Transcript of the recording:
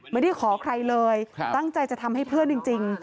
ไม่ได้ขอใครเลยตั้งใจจะทำให้เพื่อนจริง